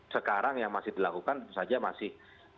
sekarang yang masih dilakukan tentu saja masih